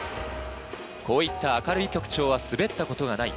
こういった明るい曲調は滑ったことがない